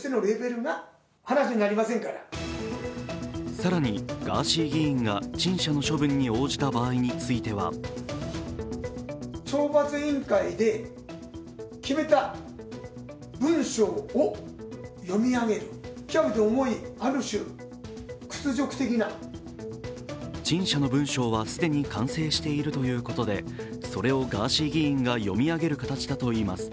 更にガーシー議員が陳謝の処分に応じた場合については陳謝の文章は既に完成しているということでそれをガーシー議員が読み上げる形だといいます。